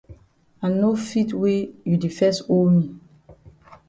I no fit wey you di fes owe me.